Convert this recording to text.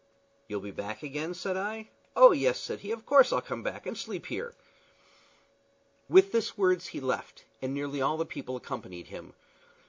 "You'll be back again?" said I. "Oh yes," said he, "of course I'll come back, and sleep here." With these words he left, and nearly all the people accompanied him.